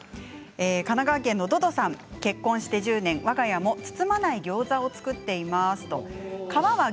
神奈川県の方結婚して１０年、わが家も包まないギョーザを作っています。